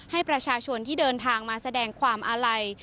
ให้ประชาชนที่เดินทางมาแสดงความอาลัย